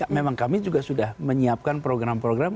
memang kami juga sudah menyiapkan program program